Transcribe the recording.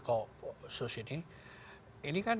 keopsus ini ini kan